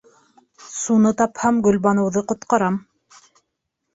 Суны тапһам Гөлбаныуҙы ҡотҡарам!